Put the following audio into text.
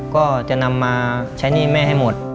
ก็จะนำมาใช้หนี้แม่ให้หมด